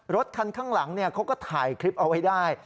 รถคันข้างหลังเขาก็ถ่ายคลิปเอาไว้ได้